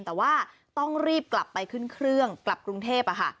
แต่ว่าต้องรีบกลับไปขึ้นเครื่องกลับกรุงเทพ